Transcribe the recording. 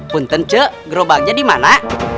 punten ceh gerobaknya dimana